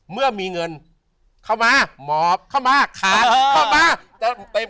เมื่อมีเงินเข้ามาหมอบเข้ามาขาดเข้ามาจะเต็ม